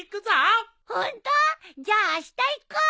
ホント！じゃああした行こう！